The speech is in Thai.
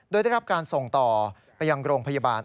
โดยได้รับการส่งต่อไปยังโรงพยาบาล